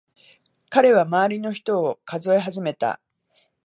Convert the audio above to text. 彼は周りの人を数え始めた。